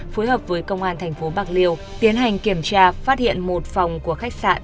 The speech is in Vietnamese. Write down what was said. phối hợp với công an thành phố bạc liêu tiến hành kiểm tra phát hiện một phòng của khách sạn